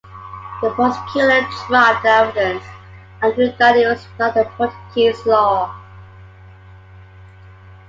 The prosecutor dropped the evidence, arguing that it was not in Portuguese law.